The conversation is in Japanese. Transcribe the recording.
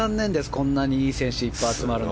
こんなにいい選手がいっぱい集まるのに。